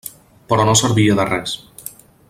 Però no servia de res.